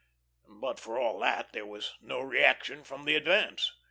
But, for all that, there was no reaction from the advance.